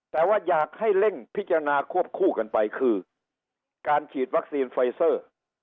แต่ว่าอยากให้เร่งพิจารณาควบคู่กันไปคือการฉีดวัคซีนไฟเซอร์